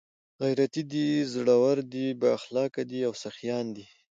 ، غيرتي دي، زړور دي، بااخلاقه دي او سخيان دي